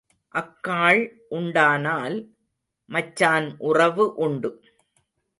அக்காள் உண்டானால் மச்சான் உறவு உண்டு.